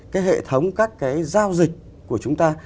cái hệ thống các cái giao dịch của chúng ta